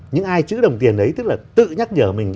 nhưng ai chữ đồng tiền ấy tự nhắc nhở mình